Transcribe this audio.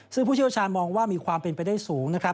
ซึ่งผู้เชี่ยวชาญมองว่ามีความเป็นไปได้สูงนะครับ